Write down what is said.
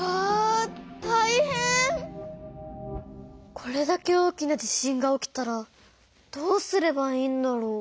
これだけ大きな地震が起きたらどうすればいいんだろう？